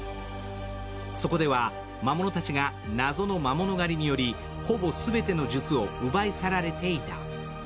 そこでは魔物たちが謎の魔物狩りにより、ほぼ全ての術を奪い去られていた。